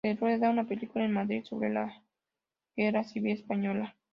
Se rueda una película en Madrid sobre la guerra civil española.